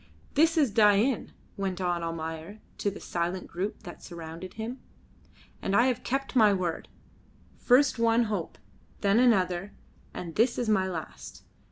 "This is Dain," went on Almayer to the silent group that surrounded him. "And I have kept my word. First one hope, then another, and this is my last.